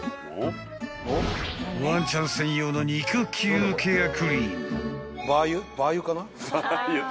［ワンちゃん専用の肉球ケアクリーム］